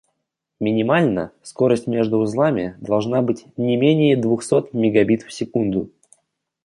Минимально скорость между узлами должна быть не менее двухсот мегабит в секунду